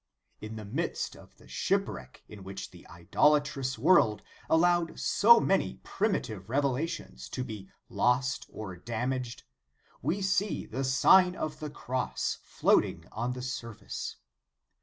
In the midst of the shipwreck in which the idolatrous world allowed so many primitive revelations to be lost or damaged, we see the Sign of the Cross floating on the surface.